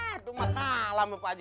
aduh mah kalah pak waji